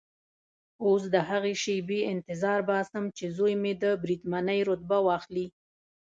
اوس د هغې شېبې انتظار باسم چې زوی مو د بریدمنۍ رتبه واخلي.